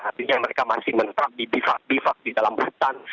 artinya mereka masih menetap di difak difak di dalam hutan